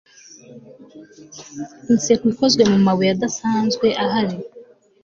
inseko ikozwe mumabuye adasanzwe ahari